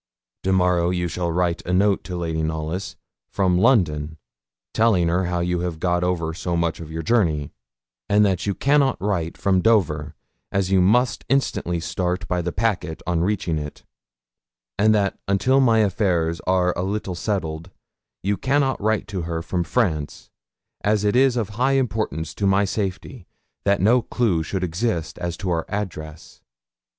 Tomorrow you shall write a note to Lady Knollys, from London, telling her how you have got over so much of your journey, and that you cannot write from Dover, as you must instantly start by the packet on reaching it; and that until my affairs are a little settled, you cannot write to her from France, as it is of high importance to my safety that no clue should exist as to our address.